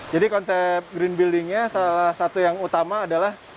jadi konsep green buildingnya salah satu yang utama adalah